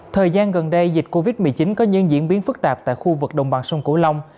thời gian gần đây dịch covid một mươi chín có những diễn biến phức tạp tại khu vực đồng bằng sông cửu long